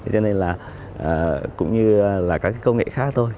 cho nên là cũng như là các cái công nghệ khác thôi